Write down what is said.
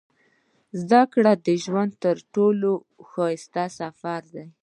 • زده کړه د ژوند تر ټولو ښایسته سفر دی.